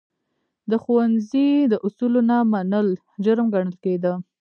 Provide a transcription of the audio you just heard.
د ښوونځي د اصولو نه منل، جرم ګڼل کېده.